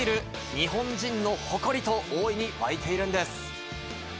日本人の誇りと大いに沸いているんです。